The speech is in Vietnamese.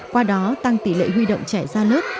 qua đó tăng tỷ lệ huy động trẻ ra lớp